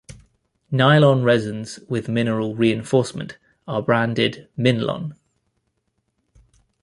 Nylon resins with mineral reinforcement are branded 'Minlon'.